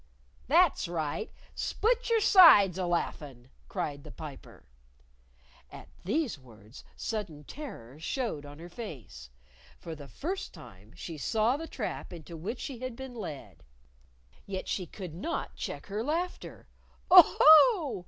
"That's right! Split your sides alaughin'," cried the Piper. At these words, sudden terror showed on her face. For the first time she saw the trap into which she had been led! Yet she could not check her laughter. "Oh, ho!"